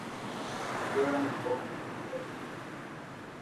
Lloran muy poco y casi nunca se quejan.